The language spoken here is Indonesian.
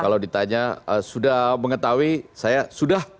kalau ditanya sudah mengetahui saya sudah